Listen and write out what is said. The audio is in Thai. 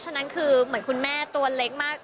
ฉะนั้นคือเหมือนคุณแม่ตัวเล็กมาก